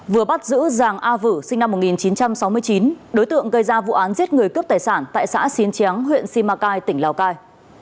vừa bắt giữ giàng a vữ sinh năm một nghìn chín trăm sáu mươi chín đối tượng gây ra vụ án giết người cướp tài sản tại xã xín tréng huyện simacai tỉnh lào cai